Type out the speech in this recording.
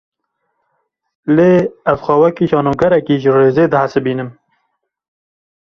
Lê, ez xwe wekî şanogerekî ji rêzê dihesibînim